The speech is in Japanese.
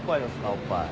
おっぱい。